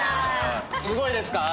すごいですか？